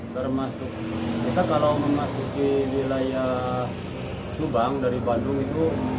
termasuk kita kalau memasuki wilayah subang dari bandung itu